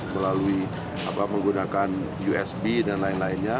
melalui menggunakan usb dan lain lainnya